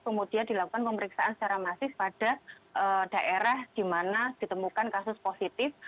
kemudian dilakukan pemeriksaan secara masif pada daerah di mana ditemukan kasus positif